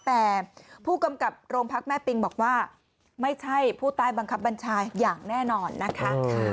แต่ผู้กำกับโรงพักแม่ปิงบอกว่าไม่ใช่ผู้ใต้บังคับบัญชาอย่างแน่นอนนะคะ